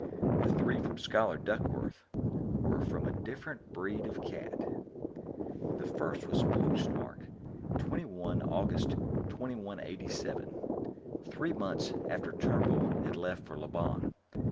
The three from Scholar Duckworth were from a different breed of cat. The first was postmarked 21 August 2187, three months after Turnbull had left for Lobon.